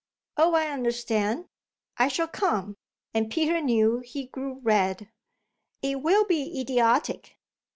"Oh I understand; I shall come," and Peter knew he grew red. "It will be idiotic.